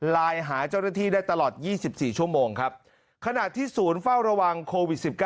ไลน์หาเจ้าหน้าที่ได้ตลอด๒๔ชั่วโมงครับขณะที่ศูนย์เฝ้าระวังโควิด๑๙